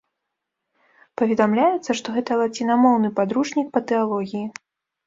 Паведамляецца, што гэта лацінамоўны падручнік па тэалогіі.